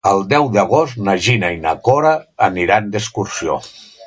El deu d'agost na Gina i na Cora aniran d'excursió.